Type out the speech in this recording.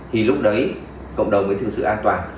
thì lúc đấy cộng đồng mới thực sự an toàn